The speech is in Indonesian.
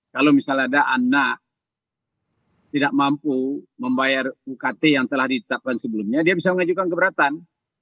kalau misalnya ada anak tidak mampu membayar ukt yang telah ditetapkan sebelumnya dia bisa mengajukan keberatan